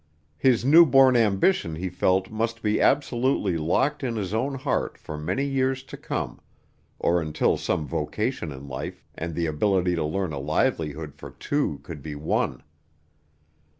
His newborn ambition he felt must be absolutely locked in his own heart for many years to come, or until some vocation in life and the ability to earn a livelihood for two could be won.